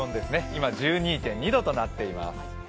今、１２．２度となっています。